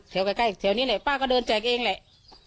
ใกล้แถวนี้แหละป้าก็เดินแจกเองแหละ